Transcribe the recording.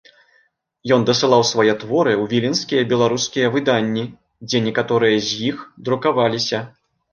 Ён дасылаў свае творы ў віленскія беларускія выданні, дзе некаторыя з іх друкаваліся.